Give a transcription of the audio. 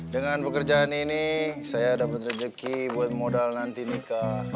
dengan pekerjaan ini saya dapat rezeki buat modal nanti nikah